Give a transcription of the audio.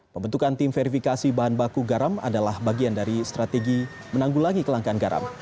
pembentukan tim verifikasi bahan baku garam adalah bagian dari strategi menanggulangi kelangkaan garam